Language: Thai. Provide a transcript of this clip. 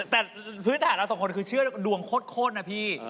แต่พืชฐานเรา๒คนคือเชื่อดวงขดนะพี่